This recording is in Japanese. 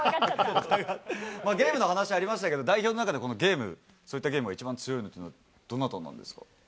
ゲームの話ありましたけれども、代表の中で、ゲーム、そういったゲームで一番強いのは、どなたなんですか？